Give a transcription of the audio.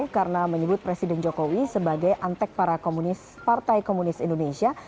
karena menyebut presiden jokowi sebagai antek para komunis partai komunis indonesia